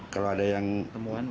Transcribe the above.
kalau ada yang melanggar atau